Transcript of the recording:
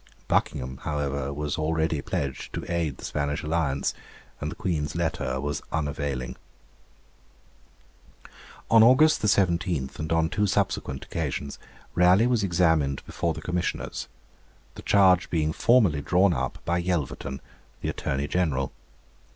Buckingham, however, was already pledged to aid the Spanish alliance, and the Queen's letter was unavailing. On August 17 and on two subsequent occasions Raleigh was examined before the Commissioners, the charge being formally drawn up by Yelverton, the Attorney General.